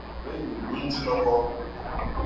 Nà hwenì lùwindi lɔ̀kɔ.